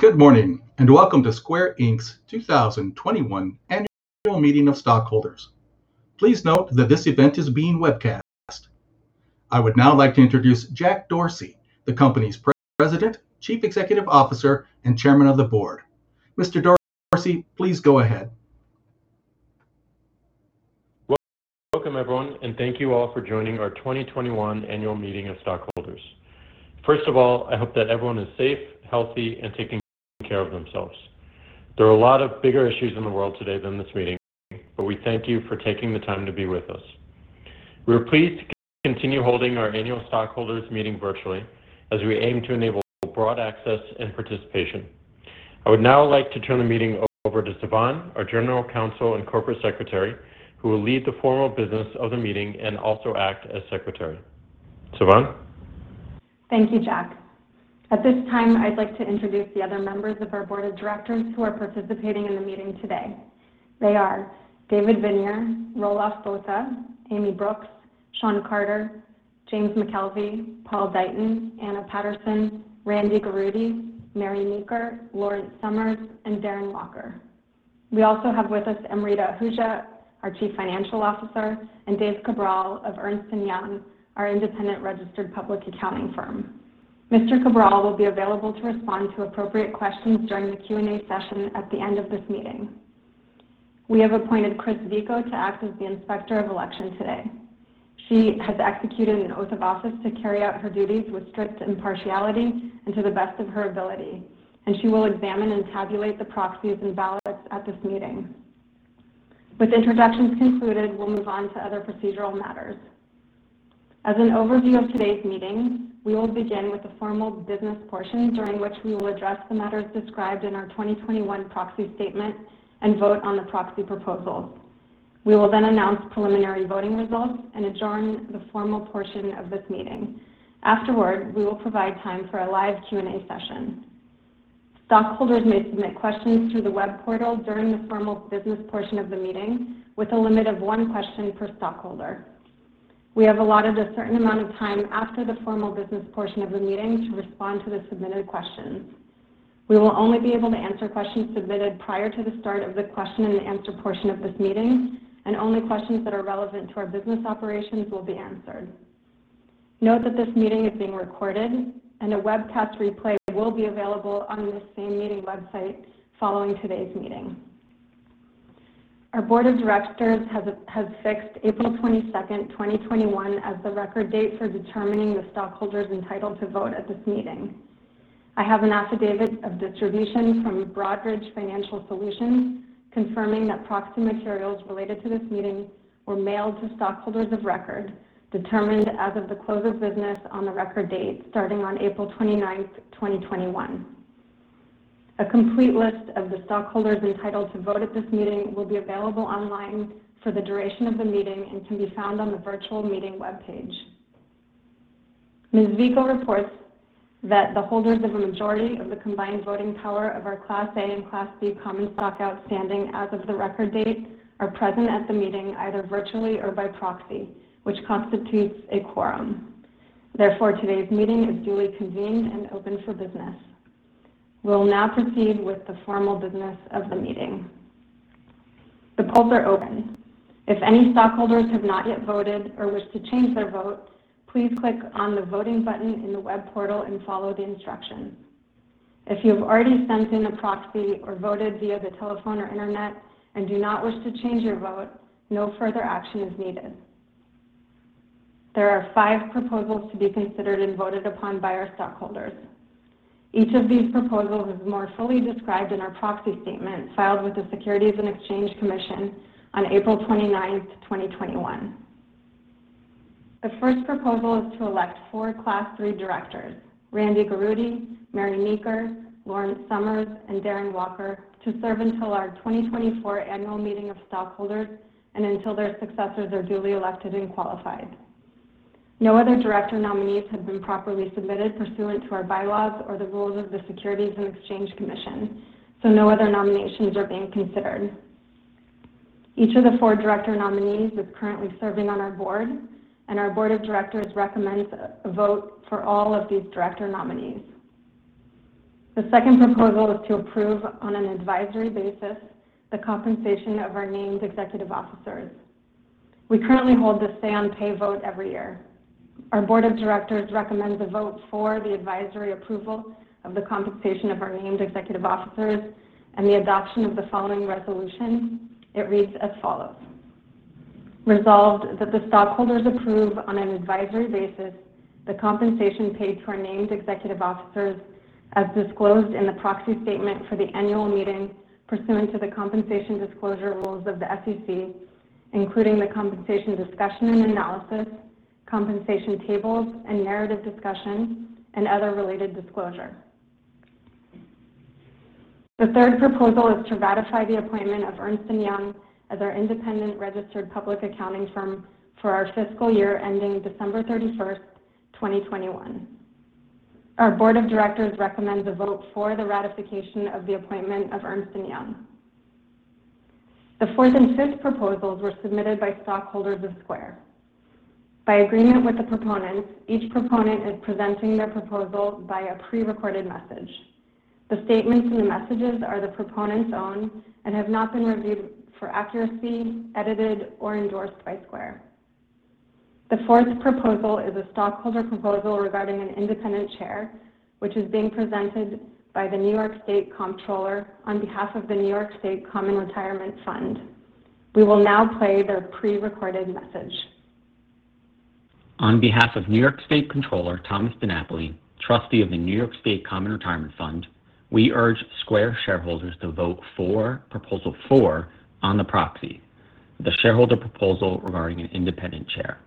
Good morning. Welcome to Square, Inc.'s 2021 Annual Meeting of Stockholders. Please note that this event is being webcast. I would now like to introduce Jack Dorsey, the company's President, Chief Executive Officer, and Chairman of the Board. Jack Dorsey, please go ahead. Welcome, everyone, and thank you all for joining our 2021 annual meeting of stockholders. First of all, I hope that everyone is safe, healthy, and taking good care of themselves. There are a lot of bigger issues in the world today than this meeting, but we thank you for taking the time to be with us. We are pleased to continue holding our annual stockholders meeting virtually as we aim to enable broad access and participation. I would now like to turn the meeting over to Sivan, our General Counsel and Corporate Secretary, who will lead the formal business of the meeting and also act as secretary. Sivan? Thank you, Jack. At this time, I'd like to introduce the other members of our board of directors who are participating in the meeting today. They are David Viniar, Roelof Botha, Amy Brooks, Shawn Carter, Jim McKelvey, Paul Deighton, Anna Patterson, Randy Garutti, Mary Meeker, Lawrence Summers, and Darren Walker. We also have with us Amrita Ahuja, our Chief Financial Officer, and Dave Cabral of Ernst & Young, our independent registered public accounting firm. Mr. Cabral will be available to respond to appropriate questions during the Q&A session at the end of this meeting. We have appointed Chris Nasrallah to act as the Inspector of Election today. She has executed an oath of office to carry out her duties with strict impartiality and to the best of her ability, and she will examine and tabulate the proxies and ballots at this meeting. With introductions concluded, we'll move on to other procedural matters. As an overview of today's meeting, we will begin with the formal business portion, during which we will address the matters described in our 2021 proxy statement and vote on the proxy proposals. We will then announce preliminary voting results and adjourn the formal portion of this meeting. Afterward, we will provide time for a live Q&A session. Stockholders may submit questions through the web portal during the formal business portion of the meeting, with a limit of one question per stockholder. We have allotted a certain amount of time after the formal business portion of the meeting to respond to the submitted questions. We will only be able to answer questions submitted prior to the start of the question and answer portion of this meeting, and only questions that are relevant to our business operations will be answered. Note that this meeting is being recorded, and a webcast replay will be available on this same meeting website following today's meeting. Our board of directors has fixed April 22nd, 2021, as the record date for determining the stockholders entitled to vote at this meeting. I have an affidavit of distribution from Broadridge Financial Solutions confirming that proxy materials related to this meeting were mailed to stockholders of record, determined as of the close of business on the record date, starting on April 29th, 2021. A complete list of the stockholders entitled to vote at this meeting will be available online for the duration of the meeting and can be found on the virtual meeting webpage. Chris Nasrallah reports that the holders of a majority of the combined voting power of our Class A and Class B common stock outstanding as of the record date are present at the meeting, either virtually or by proxy, which constitutes a quorum. Therefore, today's meeting is duly convened and open for business. We'll now proceed with the formal business of the meeting. The polls are open. If any stockholders have not yet voted or wish to change their vote, please click on the voting button in the web portal and follow the instructions. If you have already sent in a proxy or voted via the telephone or internet and do not wish to change your vote, no further action is needed. There are five proposals to be considered and voted upon by our stockholders. Each of these proposals is more fully described in our proxy statement filed with the Securities and Exchange Commission on April 29, 2021. The first proposal is to elect four Class III directors, Randy Garutti, Mary Meeker, Lawrence Summers, and Darren Walker, to serve until our 2024 annual meeting of stockholders and until their successors are duly elected and qualified. No other director nominees have been properly submitted pursuant to our bylaws or the rules of the Securities and Exchange Commission, so no other nominations are being considered. Each of the four director nominees is currently serving on our board, and our board of directors recommends a vote for all of these director nominees. The second proposal is to approve, on an advisory basis, the compensation of our named executive officers. We currently hold a say on pay vote every year. Our board of directors recommends a vote for the advisory approval of the compensation of our named executive officers and the adoption of the following resolution. It reads as follows. Resolved that the stockholders approve, on an advisory basis, the compensation paid to our named executive officers as disclosed in the proxy statement for the annual meeting pursuant to the compensation disclosure rules of the SEC, including the compensation discussion and analysis, compensation tables, and narrative discussion, and other related disclosure. The third proposal is to ratify the appointment of Ernst & Young as our independent registered public accounting firm for our fiscal year ending December 31st, 2021. Our board of directors recommends a vote for the ratification of the appointment of Ernst & Young. The fourth and fifth proposals were submitted by stockholders of Square, Inc. By agreement with the proponents, each proponent is presenting their proposal via a pre-recorded message. The statements and messages are the proponents' own and have not been reviewed for accuracy, edited, or endorsed by Square, Inc. The fourth proposal is a stockholder proposal regarding an independent chair, which is being presented by the New York State Comptroller on behalf of the New York State Common Retirement Fund. We will now play their pre-recorded message. On behalf of New York State Comptroller Thomas DiNapoli, Trustee of the New York State Common Retirement Fund, we urge Square shareholders to vote for Proposal 4 on the proxy, the shareholder proposal regarding an independent chair.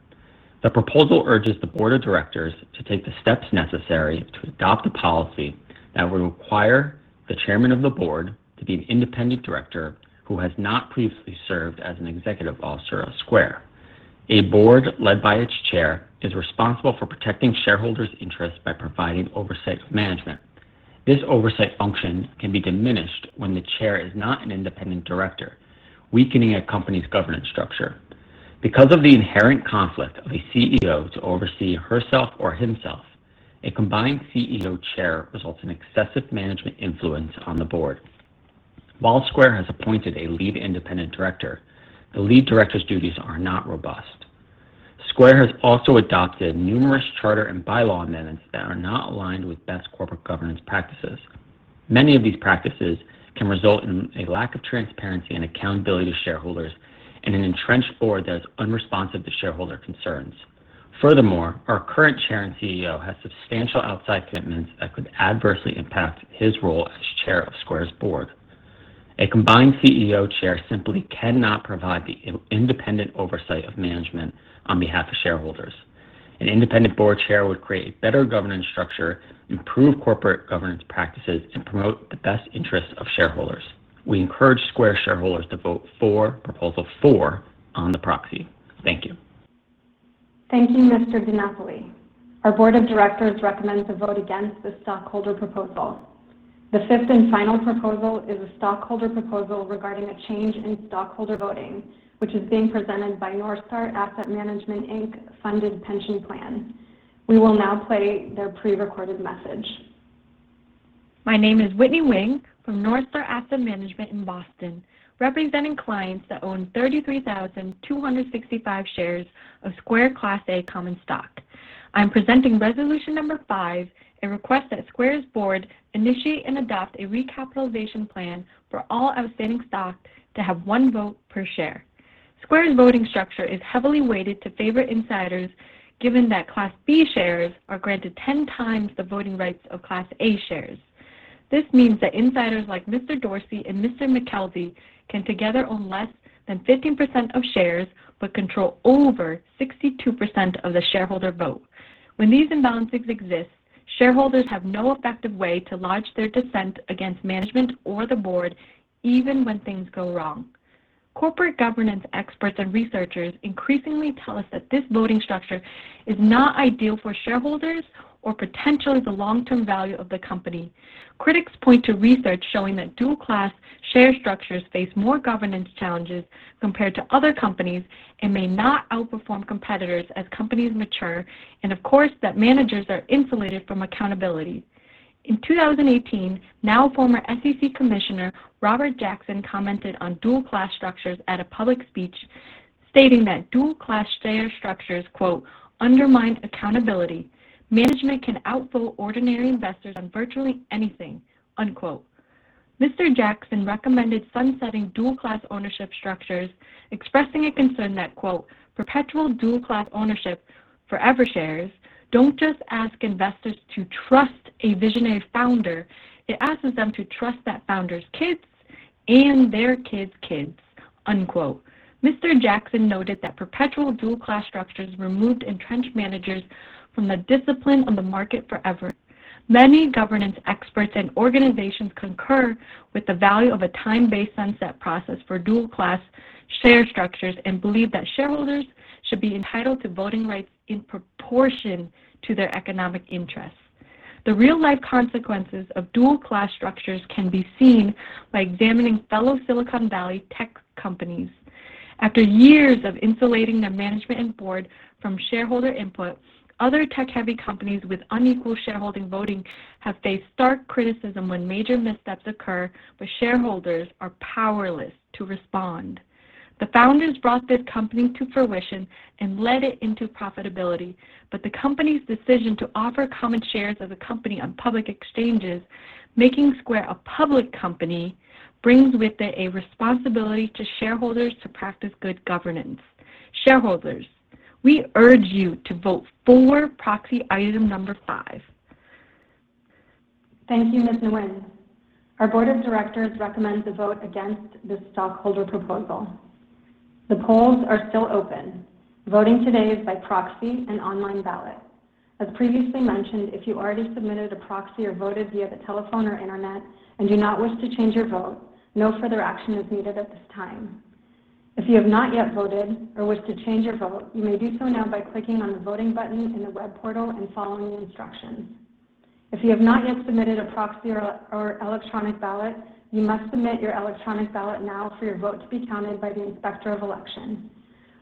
The proposal urges the board of directors to take the steps necessary to adopt a policy that will require the chairman of the board to be an independent director who has not previously served as an executive officer of Square. A board led by its chair is responsible for protecting shareholders' interests by providing oversight of management. This oversight function can be diminished when the chair is not an independent director, weakening a company's governance structure. Because of the inherent conflict of a CEO to oversee herself or himself, a combined CEO/chair results in excessive management influence on the board. While Square has appointed a lead independent director, the lead director's duties are not robust. Square has also adopted numerous charter and bylaw amendments that are not aligned with best corporate governance practices. Many of these practices can result in a lack of transparency and accountability to shareholders and an entrenched board that is unresponsive to shareholder concerns. Furthermore, our current chair and CEO has substantial outside commitments that could adversely impact his role as chair of Square's board. A combined CEO/chair simply cannot provide the independent oversight of management on behalf of shareholders. An independent board chair would create better governance structure, improve corporate governance practices, and promote the best interests of shareholders. We encourage Square shareholders to vote for Proposal 4 on the proxy. Thank you. Thank you, Mr. DiNapoli. Our board of directors recommends a vote against the stockholder proposal. The fifth and final proposal is a stockholder proposal regarding a change in stockholder voting, which is being presented by NorthStar Asset Management, Inc., Funded Pension Plan. We will now play their pre-recorded message. My name is Whitney Nguyen from Northstar Asset Management in Boston, representing clients that own 33,265 shares of Square Class A common stock. I'm presenting resolution number 5, a request that Square's board initiate and adopt a recapitalization plan for all outstanding stock to have one vote per share. Square's voting structure is heavily weighted to favor insiders, given that Class B shares are granted 10 times the voting rights of Class A shares. This means that insiders like Mr. Dorsey and Mr. McKelvey can together own less than 15% of shares but control over 62% of the shareholder vote. When these imbalances exist, shareholders have no effective way to lodge their dissent against management or the board, even when things go wrong. Corporate governance experts and researchers increasingly tell us that this voting structure is not ideal for shareholders or potentially the long-term value of the company. Critics point to research showing that dual-class share structures face more governance challenges compared to other companies and may not outperform competitors as companies mature, and of course, that managers are insulated from accountability. In 2018, now former SEC Commissioner Robert J. Jackson Jr. commented on dual-class structures at a public speech, stating that dual-class share structures, quote, "undermines accountability. Management can outvote ordinary investors on virtually anything." unquote. Mr. Jackson recommended sunsetting dual-class ownership structures, expressing a concern that, quote, "perpetual dual-class ownership, forever shares, don't just ask investors to trust a visionary founder. It asks them to trust that founder's kids and their kids' kids." unquote. Mr. Jackson noted that perpetual dual-class structures remove entrenched managers from the discipline of the market forever. Many governance experts and organizations concur with the value of a time-based sunset process for dual-class share structures and believe that shareholders should be entitled to voting rights in proportion to their economic interests. The real-life consequences of dual-class structures can be seen by examining fellow Silicon Valley tech companies. After years of insulating their management and board from shareholder input, other tech-heavy companies with unequal shareholding voting have faced stark criticism when major missteps occur, but shareholders are powerless to respond. The founders brought their company to fruition and led it into profitability, but the company's decision to offer common shares of the company on public exchanges, making Square a public company, brings with it a responsibility to shareholders to practice good governance. Shareholders, we urge you to vote for proxy item number 5. Thank you, Ms. Nguyen. Our board of directors recommends a vote against this stockholder proposal. The polls are still open. Voting today is by proxy and online ballot. As previously mentioned, if you already submitted a proxy or voted via the telephone or internet and do not wish to change your vote, no further action is needed at this time. If you have not yet voted or wish to change your vote, you may do so now by clicking on the voting button in the web portal and following the instructions. If you have not yet submitted a proxy or electronic ballot, you must submit your electronic ballot now for your vote to be counted by the Inspector of Election.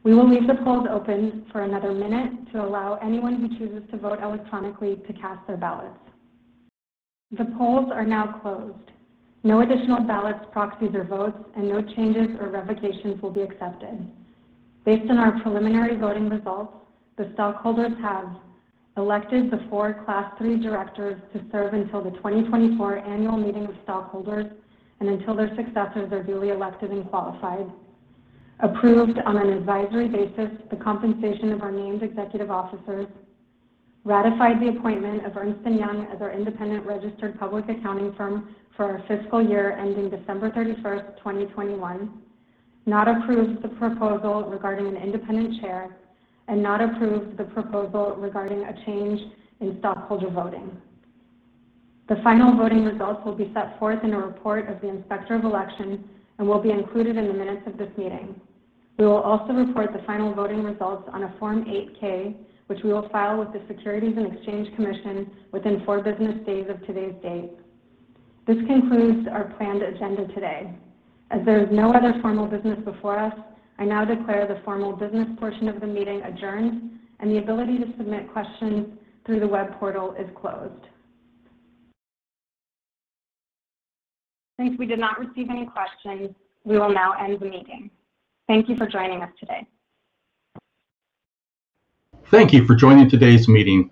We will leave the polls open for another minute to allow anyone who chooses to vote electronically to cast their ballots. The polls are now closed. No additional ballots, proxies, or votes, and no changes or revocations will be accepted. Based on our preliminary voting results, the stockholders have elected the four Class III directors to serve until the 2024 annual meeting of stockholders and until their successors are duly elected and qualified, approved, on an advisory basis, the compensation of our named executive officers, ratified the appointment of Ernst & Young as our independent registered public accounting firm for our fiscal year ending December 31st, 2021, not approved the proposal regarding an independent chair, and not approved the proposal regarding a change in stockholder voting. The final voting results will be set forth in a report of the Inspector of Election and will be included in the minutes of this meeting. We will also report the final voting results on a Form 8-K, which we will file with the Securities and Exchange Commission within four business days of today's date. This concludes our planned agenda today. As there is no other formal business before us, I now declare the formal business portion of the meeting adjourned and the ability to submit questions through the web portal is closed. Since we did not receive any questions, we will now end the meeting. Thank you for joining us today. Thank you for joining today's meeting.